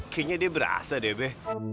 kayaknya dia berasa deh be